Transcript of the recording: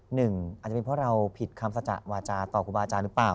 หนึ่งอาจจะเป็นเพราะเราผิดคำสัจจะวาจาต่อครูบาอาจารย์หรือเปล่า